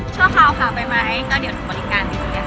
ช่วงคราวผ่าไปไหมก็เดี๋ยวบริการจริง